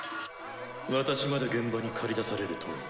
「私まで現場に駆り出されるとは」。